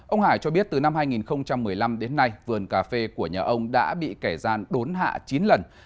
ông hải cho biết từ năm hai nghìn một mươi năm đến nay vườn cà phê của nhà ông đã bị kẻ gian đốn hạ chín lần